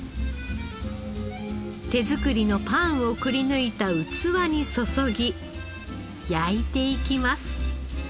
手作りのパンをくりぬいた器に注ぎ焼いていきます。